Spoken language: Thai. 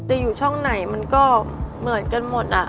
อยู่ช่องไหนมันก็เหมือนกันหมดอะ